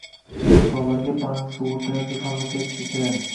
Misollarga bank, sug'urta yoki farmatsevtika kiradi